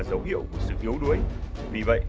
dấu hiệu của sự yếu đuối vì vậy